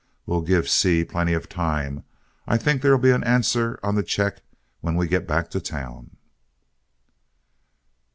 We'll give Seay plenty of time, and I think there'll be an answer on the check when we get back to town."